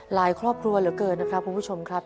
ครอบครัวเหลือเกินนะครับคุณผู้ชมครับ